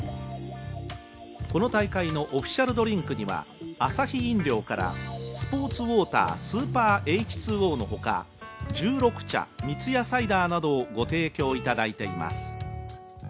この大会のオフィシャルドリンクにはアサヒ飲料からスポーツウォータースーパーＨ２Ｏのほか十六茶、三ツ矢サイダーなどをご提供頂いています。